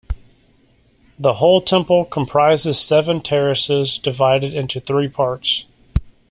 The whole temple comprises seven terraces, divided into three parts.